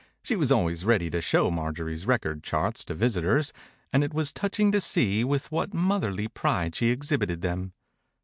She was always ready to show Marjorie's record charts to visitors, and it was touching to see with what motherly pride she exhibited them.